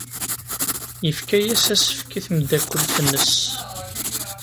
Yefka-as asefk i tmeddakelt-nnes.